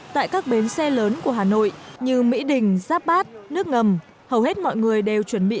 tại các bến xe lớn của hà nội như mỹ đình giáp bát nước ngầm hầu hết mọi người đều chuẩn bị